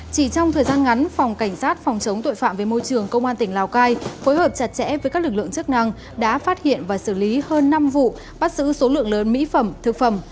chỉ trong thời gian ngắn phòng cảnh sát phòng chống tội phạm về môi trường công an tỉnh lào cai phối hợp chặt chẽ với các lực lượng chức năng đã phát hiện và xử lý hơn năm vụ bắt giữ số lượng lớn mỹ phẩm thực phẩm